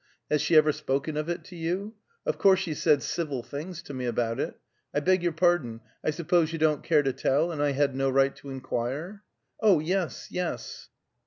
Has she ever spoken of it to you? Of course she's said civil things to me about it. I beg your pardon! I suppose you don't care to tell, and I had no right to inquire." "Oh, yes; yes."